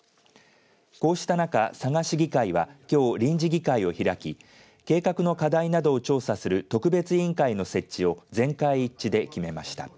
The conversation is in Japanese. こうした中、佐賀市議会はきょう臨時議会を開き計画の課題などを調査する特別委員会の設置を全会一致で決めました。